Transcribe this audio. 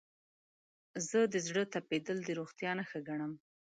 زه د زړه تپیدل د روغتیا نښه ګڼم.